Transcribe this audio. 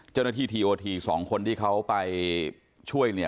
เจ้าหน้าที่ทีโอทีสองคนที่เขาไปช่วย